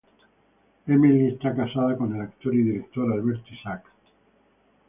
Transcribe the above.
Emily está casada con el actor y director Alberto Isaac.